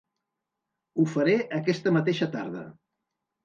Ho faré aquesta mateixa tarda.